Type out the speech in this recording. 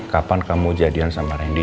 kapan kamu jadian sama randy